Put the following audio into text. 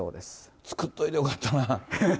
作っといてよかったな。